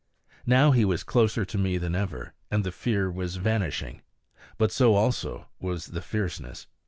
Now he was closer to me than ever, and the fear was vanishing. But so also was the fierceness.